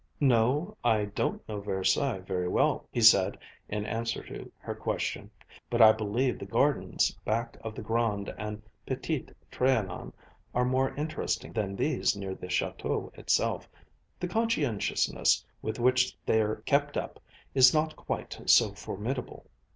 "No, I don't know Versailles very well," he said in answer to her question, "but I believe the gardens back of the Grand and Petit Trianon are more interesting than these near the Château itself. The conscientiousness with which they're kept up is not quite so formidable."